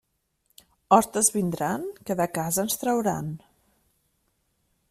Hostes vindran que de casa ens trauran.